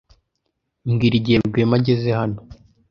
Mbwira igihe Rwema ageze hano.